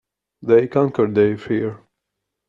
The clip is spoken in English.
They conquered their fear.